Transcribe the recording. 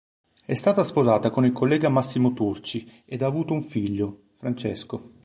È stata sposata con il collega Massimo Turci ed ha avuto un figlio, Francesco.